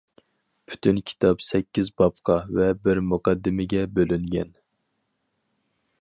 پۈتۈن كىتاب سەككىز بابقا ۋە بىر مۇقەددىمىگە بۆلۈنگەن.